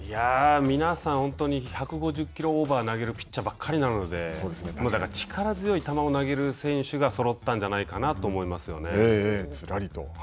皆さん、本当に１５０キロオーバーを投げるピッチャーばかりなのでだから力強い球を投げる選手がそろったんじゃないかなと思いますよね。